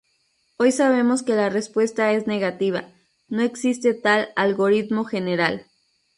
Hoy sabemos que la respuesta es negativa: no existe tal algoritmo general.